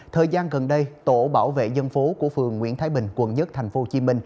thời gian gần đây tổ bảo vệ dân phố của phường nguyễn thái bình quận một tp hcm